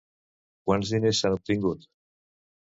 Quants diners s'han obtingut?